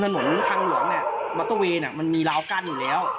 บนถนนทางหลวงเนี่ยมันมีราวกั้นอยู่แล้ว